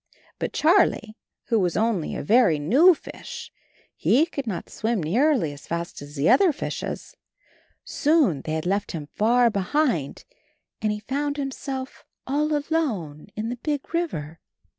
'' But Charlie was only a very new fish; he could not swim nearly as fast as the other fishes; soon they had left him far behind, and he found himself all alone in the big river.